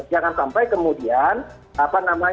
jangan sampai kemudian